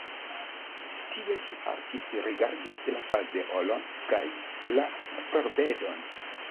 Tie ŝi haltis, rigardis la fazeolon kaj la florbedon.